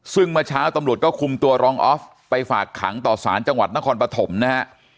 ซึ่งเมื่อเช้าตำรวจก็คุมตัวรองออฟไปฝากขังต่อสารจังหวัดนครปฐมนะฮะ